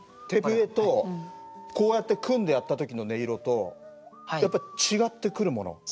手笛とこうやって組んでやった時の音色とやっぱり違ってくるもの？